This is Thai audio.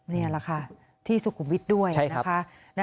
นี่แหละค่ะที่สุขุมวิทย์ด้วยนะคะ